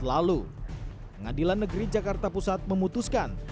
lalu pengadilan negeri jakarta pusat memutuskan